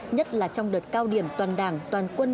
nhất là trong đợt cao điểm toàn đảng toàn quân